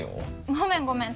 ごめんごめん。